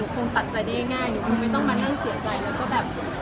ตัดจะเรายกอาจจะได้ง่ายก็ไม่ต้องมานั่งเสียใจแล้วก็แบบ